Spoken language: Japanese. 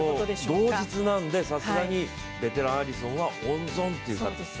同日なんでさすがにベテランアリソンは温存と。